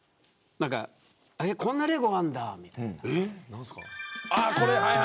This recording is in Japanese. こんなレゴがあるんだみたいな。